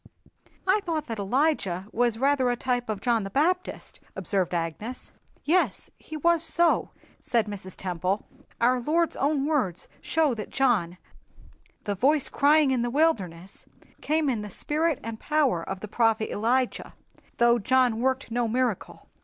"I thought that Elijah was rather a type of John the Baptist," observed Agnes. "Yes, he was so," said Mrs. Temple. "Our Lord's own words show that John, 'the Voice crying in the wilderness,' came in the spirit and power of the prophet Elijah, though John worked no miracle.